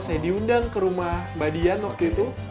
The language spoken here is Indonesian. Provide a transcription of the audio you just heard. saya diundang ke rumah mbak dian waktu itu